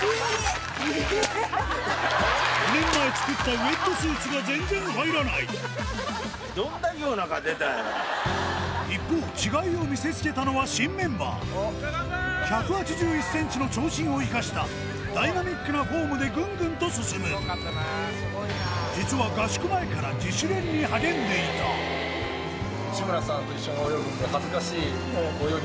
４年前作ったウエットスーツが全然入らない一方違いを見せつけたのは新メンバー１８１ｃｍの長身を生かしたダイナミックなフォームでぐんぐんと進む実は合宿前から自主練に励んでいたハハハハ！